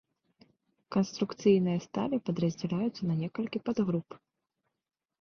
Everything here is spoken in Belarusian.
Канструкцыйныя сталі падраздзяляюцца на некалькі падгруп.